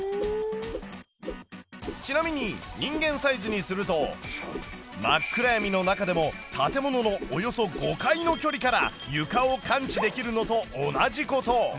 ちなみに人間サイズにすると真っ暗闇の中でも建物のおよそ５階の距離から床を感知できるのと同じこと。